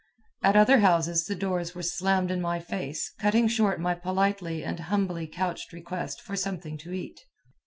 At other houses the doors were slammed in my face, cutting short my politely and humbly couched request for something to eat.